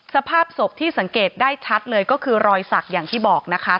สภาพศพที่สังเกตได้ชัดเลยก็คือรอยสักอย่างที่บอกนะคะ